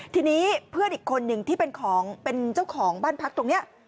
ทีนี้เพื่อนอีกคนหนึ่งที่เป็นของเป็นเจ้าของบ้านพักตรงนี้